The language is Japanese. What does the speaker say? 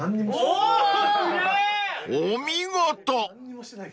［お見事！］